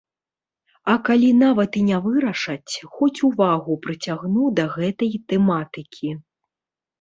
А калі нават і не вырашаць, хоць увагу прыцягну да гэтай тэматыкі.